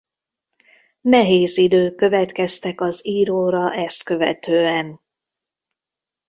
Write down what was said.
Nehéz idők következtek az íróra ezt követően.